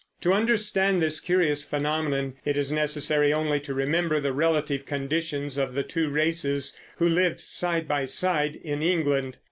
To understand this curious phenomenon it is necessary only to remember the relative conditions of the two races who lived side by side in England.